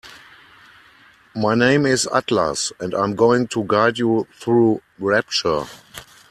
My name is Atlas and I'm going to guide you through Rapture.